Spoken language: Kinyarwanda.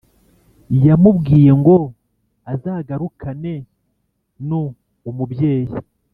yamubwiye ngo azagarukane nu umubyeyi